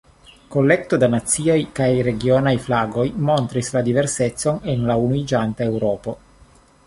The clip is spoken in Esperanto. Kolekto da naciaj kaj regionaj flagoj montris la diversecon en la unuiĝanta Eŭropo.